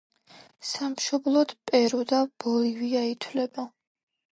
სამშობლოდ პერუ და ბოლივია ითვლება.